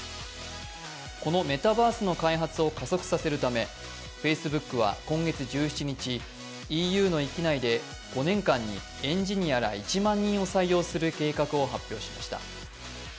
このメタバースの開発を加速させるためＦａｃｅｂｏｏｋは今月１７日、ＥＵの域内で５年間にエンジニアら１万人を採用する計画を発表しました。